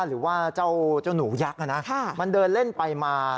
หรือว่าเจ้าหนูยักษ์มันเดินเล่นไปมา